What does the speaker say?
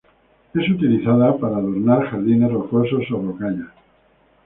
Es utilizada para adornar jardines rocosos o rocallas.